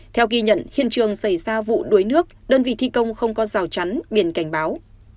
theo ghi nhận hiện trường xảy ra vụ đuối nước đơn vị thi công không có rào chắn biển cảnh báo